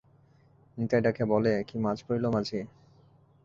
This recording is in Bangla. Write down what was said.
নিতাই ডাকিয়া বলে, কী মাছ পড়ল মাঝি?